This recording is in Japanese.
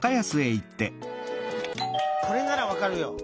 「これならわかるよ」。